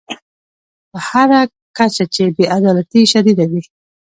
په هر کچه چې بې عدالتي شدیده وي.